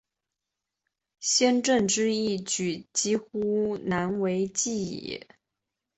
先正之义举几乎难为继矣。